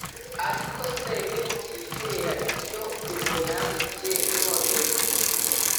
Ariko se nimutizera ibyo uwo yanditse noneho